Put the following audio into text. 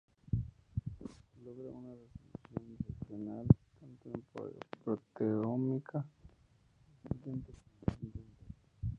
Logra una resolución excepcional tanto en proteómica descendente como ascendente.